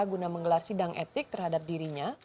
guna menggelar sidang etik terhadap dirinya